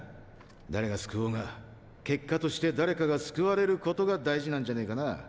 誰が救おうが結果として誰かが救われることが大事なんじゃねぇかな？